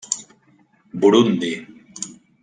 Burundi.